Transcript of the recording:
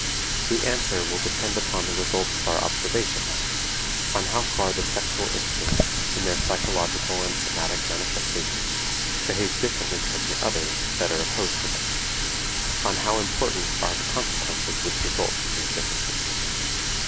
The answer will depend upon the results of our observations; on how far the sexual instincts, in their psychological and somatic manifestations, behave differently from the others that are opposed to them; on how important are the consequences which result from these differences.